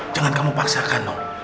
jangan kamu paksakan no